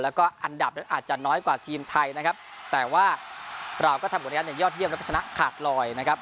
แล้วก็อันดับนั้นอาจจะน้อยกว่าทีมไทยนะครับแต่ว่าเราก็ทำผลงานอย่างยอดเยี่ยมแล้วก็ชนะขาดลอยนะครับ